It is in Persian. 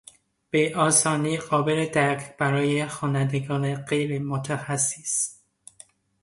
به آسانی قابل درک برای خوانندگان غیرمتخصص